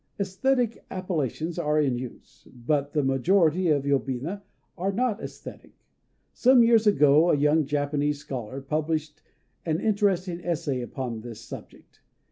Æsthetic appellations are in use; but the majority of yobina are not æsthetic. Some years ago a young Japanese scholar published an interesting essay upon this subject.